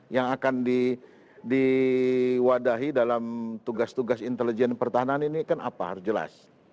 yang akan diwadahi dalam tugas tugas intelijen pertahanan ini kan apa harus jelas